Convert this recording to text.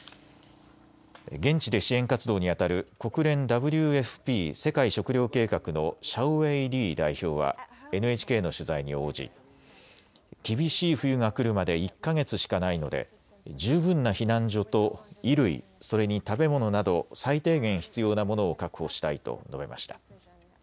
現地で支援活動にあたる国連ＷＦＰ・世界食糧計画のシャオウェイ・リー代表はＮＨＫの取材に応じ、厳しい冬が来るまで１か月しかないので十分な避難所と衣類、それに食べ物など最低限必要なものを確保したいと述べました。